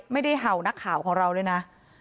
ไม่ได้เห่านักข่าวของเราเลยนะ